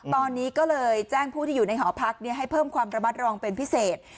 ตอนนี้ก็เลยแจ้งผู้ที่อยู่ในหอพักให้เพิ่มความระมัดระวังเป็นพิเศษ